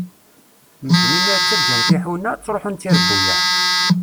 Medden imir ttaǧǧan tiḥuna, ttruḥun d tirbuyaε.